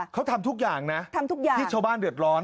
เขาทำทุกอย่างนะที่ชาวบ้านเดือดร้อน